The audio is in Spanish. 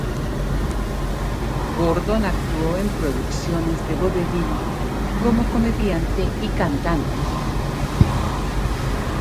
Gordon actuó en producciones de vodevil como comediante y cantante.